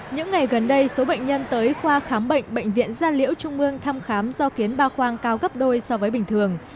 những ngày gần đây số bệnh nhân tới khoa khám bệnh bệnh viện gia liễu trung mương thăm khám do kiến ba khoang cao gấp đôi so với bình thường